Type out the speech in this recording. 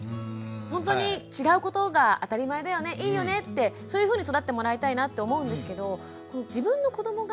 ほんとに違うことが当たり前だよねいいよねってそういうふうに育ってもらいたいなって思うんですけど自分の子どもが